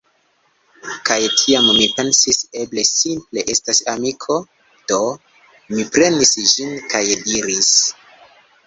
Kaj tiam mi pensis: "Eble simple estas amiko?" do mi prenis ĝin, kaj diris: